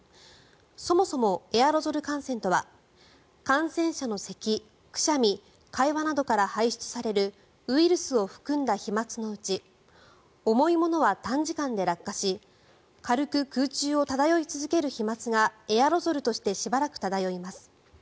そもそもエアロゾル感染とは感染者のせき、くしゃみ会話などから排出されるウイルスを含んだ飛まつのうち重いものは短時間で落下し軽く、空中を漂い続ける飛まつがエアロゾルとしてしばらく漂います。